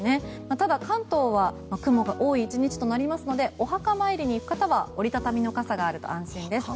ただ関東は雲が多い１日となりますのでお墓参りに行く方は折り畳みの傘があると安心です。